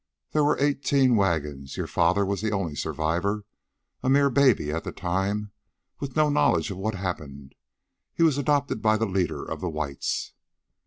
There were eighteen wagons. Your father was the only survivor, a mere baby at the time, with no knowledge of what happened. He was adopted by the leader of the whites."